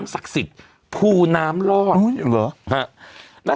สวัสดีครับคุณผู้ชม